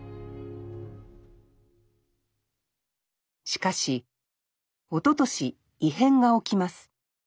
しかしおととし異変が起きます。